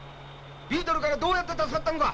ビートルからどうやって助かったのだ。